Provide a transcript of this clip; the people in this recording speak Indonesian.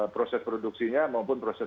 proses produksinya maupun proses